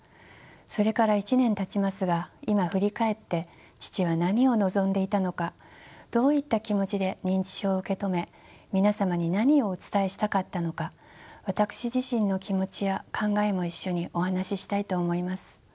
それから１年たちますが今振り返って父は何を望んでいたのかどういった気持ちで認知症を受け止め皆様に何をお伝えしたかったのか私自身の気持ちや考えも一緒にお話ししたいと思います。